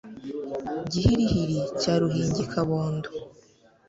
Gihirihiri cya ruhingikabondo